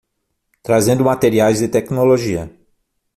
Trazendo materiais e tecnologia